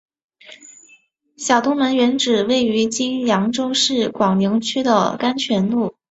小东门原址位于今扬州市广陵区的甘泉路。